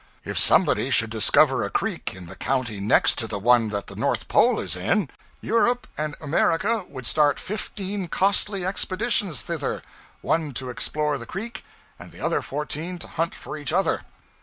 If somebody should discover a creek in the county next to the one that the North Pole is in, Europe and America would start fifteen costly expeditions thither: one to explore the creek, and the other fourteen to hunt for each other.